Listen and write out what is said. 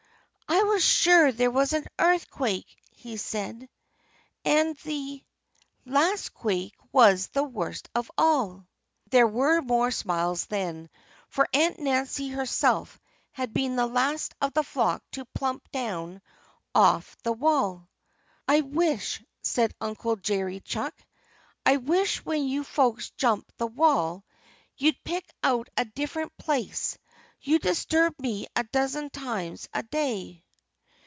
"I was sure there was an earthquake," he said. "And the last quake was the worst of all." There were more smiles then, for Aunt Nancy herself had been the last of the flock to plump down off the wall. "I wish " said Uncle Jerry Chuck "I wish, when you folks jump the wall, you'd pick out a different place. You disturb me a dozen times a day.